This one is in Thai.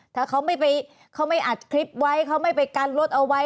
ถ้าเขาไม่อัดคลิปไว้เขาไม่ไปกันรถเอาไว้